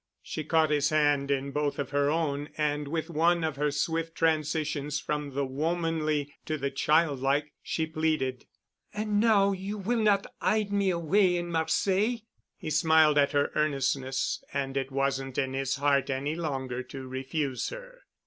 She caught his hand in both of her own and with one of her swift transitions from the womanly to the child like she pleaded. "An' now you will not 'ide me away in Marseilles?" He smiled at her earnestness and it wasn't in his heart any longer to refuse her.